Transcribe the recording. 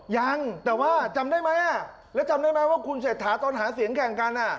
ยังแต่ว่าจำได้ไหมแล้วจำได้ไหมว่าคุณเศรษฐาตอนหาเสียงแข่งกัน